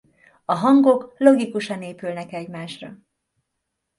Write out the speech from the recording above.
A hangok logikusan épülnek egymásra.